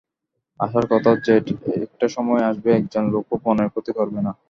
আশার কথা হচ্ছে, একটা সময় আসবে একজন লোকও বনের ক্ষতি করবে না।